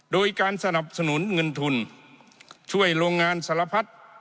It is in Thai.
โดยการสนับสนุนเงินทุนช่วยโรงงานสารพัด